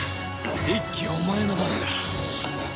一輝お前の番だ。